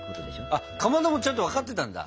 あっかまどもちゃんと分かってたんだ？